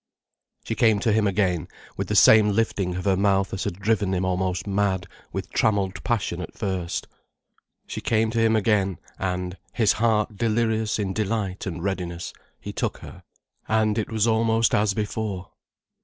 She came to him again, with the same lifting of her mouth as had driven him almost mad with trammelled passion at first. She came to him again, and, his heart delirious in delight and readiness, he took her. And it was almost as before.